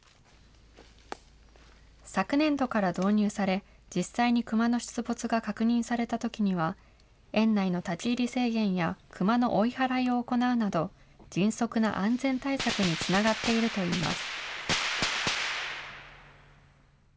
昨年度から導入され、実際にクマの出没が確認されたときには、園内の立ち入り制限やクマの追い払いを行うなど、迅速な安全対策につながっているといいます。